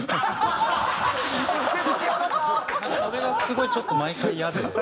それがすごいちょっと毎回イヤで。